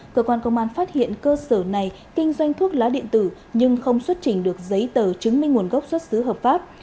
cơ quan công an phát hiện cơ sở này kinh doanh thuốc lá điện tử nhưng không xuất trình được giấy tờ chứng minh nguồn gốc xuất xứ hợp pháp